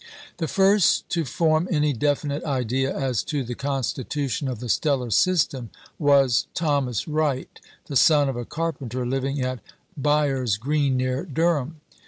The first to form any definite idea as to the constitution of the stellar system was Thomas Wright, the son of a carpenter living at Byer's Green, near Durham.